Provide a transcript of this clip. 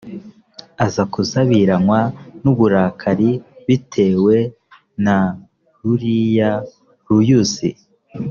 aza kuzabiranywa n’uburakari bitewe na ruriya ruyuzi